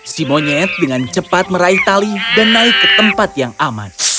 si monyet dengan cepat meraih tali dan naik ke tempat yang aman